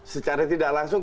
secara tidak langsung